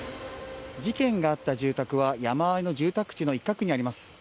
事件があった住宅は山あいの住宅地の一角にあります。